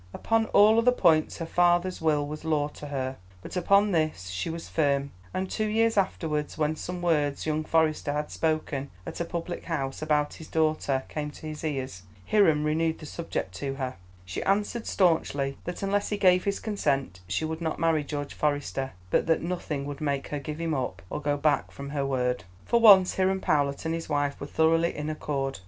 Upon all other points her father's will was law to her, but upon this she was firm; and two years afterwards, when some words young Forester had spoken at a public house about his daughter came to his ears, Hiram renewed the subject to her, she answered staunchly that unless he gave his consent she would not marry George Forester, but that nothing would make her give him up or go back from her word. For once Hiram Powlett and his wife were thoroughly in accord.